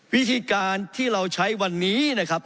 วิธีการที่เราใช้วันนี้นะครับ